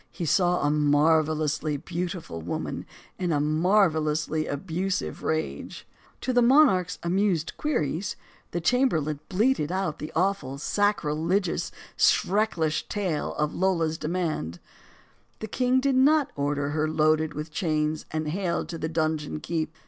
He saw a marvel ously beautiful woman in a marvelously abusive rage. To the monarch's amused queries, the chamberlain bleated out the awful, sacrilegious, schrecklich tale of Lola's demand. The king did not order her loaded with chains and haled to the donjon keep.